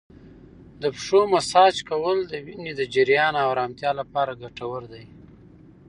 د پښو مساج کول د وینې د جریان او ارامتیا لپاره ګټور دی.